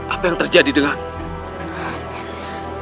apa yang terjadi denganmu